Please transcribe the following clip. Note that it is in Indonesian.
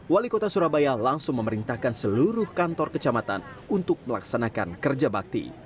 wali kota surabaya langsung memerintahkan seluruh kantor kecamatan untuk melaksanakan kerja bakti